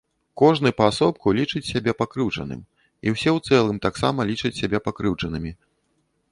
Кожны паасобку лічыць сябе пакрыўджаным і ўсе ў цэлым таксама лічаць сябе пакрыўджанымі.